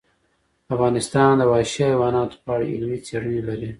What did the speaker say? افغانستان د وحشي حیواناتو په اړه علمي څېړنې لري.